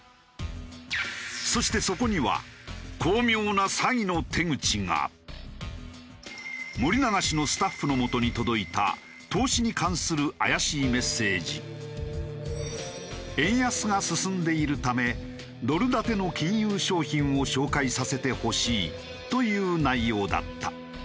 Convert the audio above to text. そしてそこには森永氏のスタッフのもとに届いた「円安が進んでいるためドル建ての金融商品を紹介させてほしい」という内容だった。